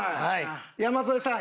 山添さん